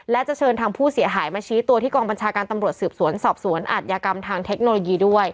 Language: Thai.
และจะเชิญทางผู้เสียหายมาชี้ตัวที่กองบัญชาการตำรวจสืบสวนสอบสวนอาจยากรรมทางเทคโนโลยีด้วย